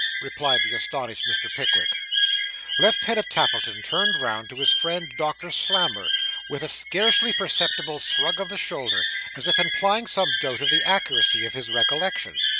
replied the astonished Mr. Pickwick. Lieutenant Tappleton turned round to his friend Doctor Slammer, with a scarcely perceptible shrug of the shoulder, as if implying some doubt of the accuracy of his recollection.